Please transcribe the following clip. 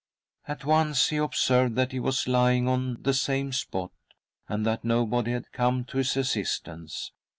At once he observed' that he was lying on. the same, spot, and that nobody had come to his assist ance.